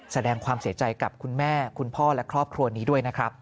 แสดงความเสียใจกับคุณแม่คุณพ่อและครอบครัวนี้ด้วยนะครับ